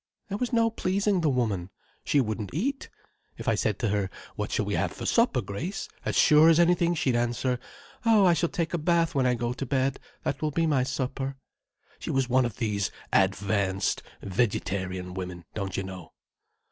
"There was no pleasing the woman. She wouldn't eat. If I said to her 'What shall we have for supper, Grace?' as sure as anything she'd answer 'Oh, I shall take a bath when I go to bed—that will be my supper.' She was one of these advanced vegetarian women, don't you know."